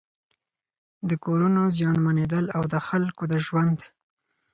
د کورونو زيانمنېدل او د خلکو د ژوند